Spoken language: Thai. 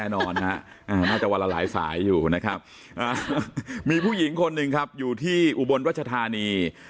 น่าจะวันละหลายสายอยู่นะครับมีผู้หญิงคนหนึ่งครับอยู่ที่อุบลรัชธานี